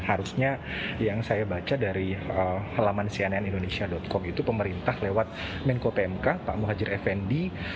harusnya yang saya baca dari halaman cnn indonesia com itu pemerintah lewat menko pmk pak muhadjir effendi